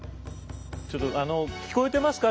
ちょっとあの聞こえてますか？